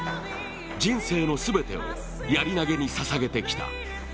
人生のすべてをやり投にささげてきた。